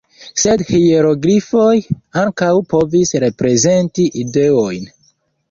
Sed hieroglifoj ankaŭ povis reprezenti "ideojn".